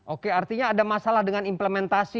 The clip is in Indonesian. oke artinya ada masalah dengan implementasi